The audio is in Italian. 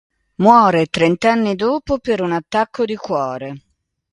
Muore trent'anni dopo per un attacco di cuore.